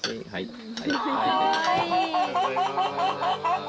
かわいい。